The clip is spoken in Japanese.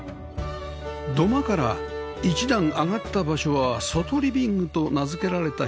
土間から一段上がった場所は外リビングと名付けられた部屋